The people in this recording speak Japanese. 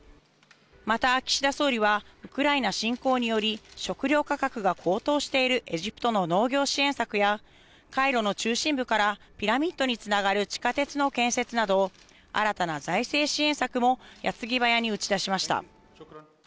また、岸田総理はウクライナ侵攻により食料価格が高騰しているエジプトの農業支援策やカイロの中心部からピラミッドにつながる地下鉄の建設など新たな財政支援策も矢継ぎ早に打ち出しました。